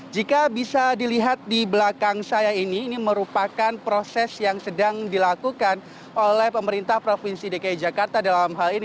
jika bisa dilihat di belakang saya ini ini merupakan proses yang sedang dilakukan oleh pemerintah provinsi dki jakarta dalam hal ini